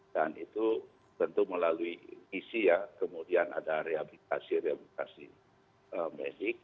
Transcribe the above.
dan itu tentu melalui isi ya kemudian ada rehabilitasi rehabilitasi medik